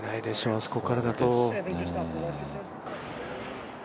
あそこからだと。